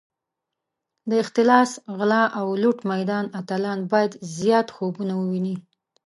د اختلاس، غلا او لوټ میدان اتلان باید زیات خوبونه وویني.